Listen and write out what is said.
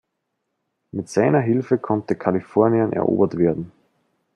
Mit seiner Hilfe konnte Kalifornien erobert werden.